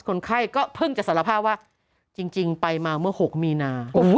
คนไข้ก็เพิ่งจะสารภาพว่าจริงไปมาเมื่อ๖มีนา